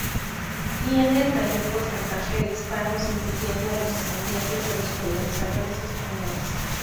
Tiene el mayor porcentaje de hispanos, incluyendo a los descendientes de los colonizadores españoles.